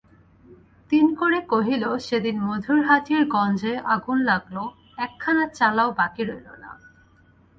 তিনকড়ি কহিল, সেদিন মধুরহাটির গঞ্জে আগুন লাগল, একখানা চালাও বাকি রইল না।